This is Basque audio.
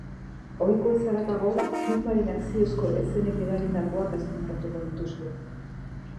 Ohikoez haratago, filmaren akziozko eszenek eragindakoak azpimarratuko nituzke.